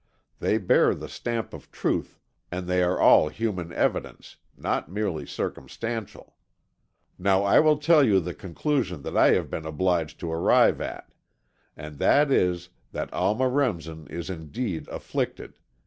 They bear the stamp of truth, and they are all human evidence, not merely circumstantial. Now, I will tell you the conclusion that I have been obliged to arrive at. And that is, that Alma Remsen is indeed afflicted.